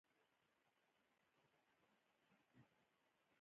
د هرې کلا د ننوتلو لپاره یوه لاره پیدا کیږي